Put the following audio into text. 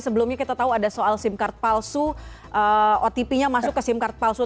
sebelumnya kita tahu ada soal sim card palsu otp nya masuk ke sim card palsu